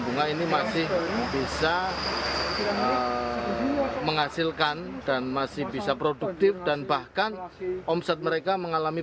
bunga ini masih bisa menghasilkan dan masih bisa produktif dan bahkan omset mereka mengalami